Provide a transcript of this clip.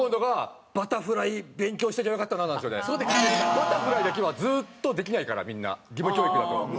バタフライだけはずっとできないからみんな義務教育だと。